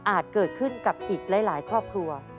เกิดขึ้นกับอีกหลายครอบครัว